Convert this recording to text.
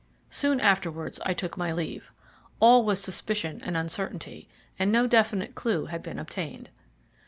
Soon afterwards I took my leave. All was suspicion and uncertainty, and no definite clue had been obtained.